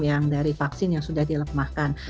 yang dari vaksin yang sudah dilemahkan